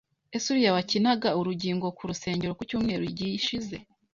Ese uriya wakinaga urugingo ku rusengero ku cyumweru gishize?